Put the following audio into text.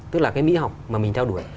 tức là cái mỹ học mà mình theo đuổi